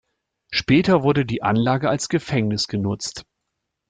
Später wurde die Anlage als Gefängnis genutzt.